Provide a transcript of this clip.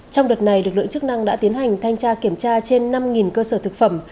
trong đợt này lực lượng chức năng đã tiến hành thanh tra kiểm tra trên năm cơ sở thực phẩm